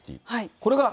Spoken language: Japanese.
これが。